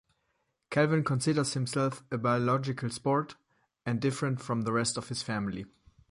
Calvin considers himself a biological "sport" and different from the rest of his family.